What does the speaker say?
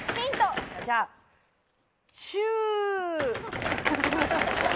じゃあチュウ。